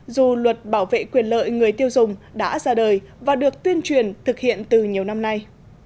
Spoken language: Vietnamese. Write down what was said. dù luật bảo vệ quyền lợi người tiêu dùng đã ra đời và được tuyên truyền thực hiện từ nhiều năm nay